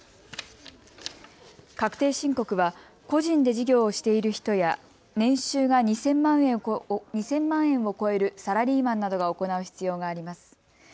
確定申告は個人で事業をしている人や年収が２０００万円を超えるサラリーマンなどが行う必要があります。